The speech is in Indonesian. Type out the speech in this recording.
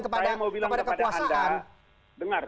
kalau saya mau bilang kepada anda dengar